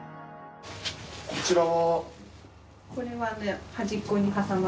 こちらは。